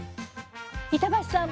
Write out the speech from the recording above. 板橋さん